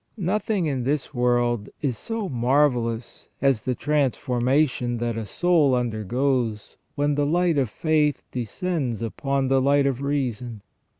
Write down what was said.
% Nothing in this world is so marvellous as the transformation that a soul undergoes when the light of faith descends upon the light of reason.